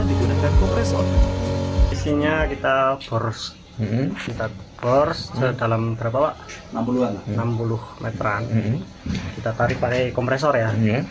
digunakan kompresor isinya kita boros kita boros dalam enam puluh enam puluh m kita tarik pakai kompresor ya